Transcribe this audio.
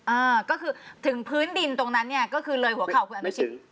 อ่าก็คือถึงพื้นดินตรงนั้นเนี้ยก็คือเลยหัวเข้าไม่ถึง